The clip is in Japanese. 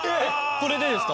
これでですか？